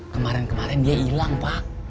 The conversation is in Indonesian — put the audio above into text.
kemarin kemarin dia hilang pak